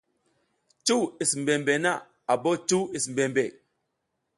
Cuw is mbembe na a bo cuw is mbembe.